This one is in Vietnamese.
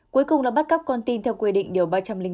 cuối cùng là bắt cóc con tin theo quy định điều ba trăm linh năm